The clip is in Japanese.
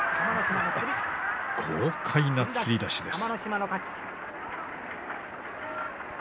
豪快な、つり出しです。